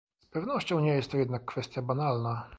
Z pewnością nie jest to jednak kwestia banalna